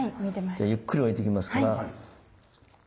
ではゆっくり置いていきますから。